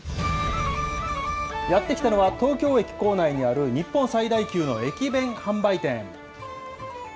やって来たのは、東京駅構内にある日本最大級の駅弁販売店。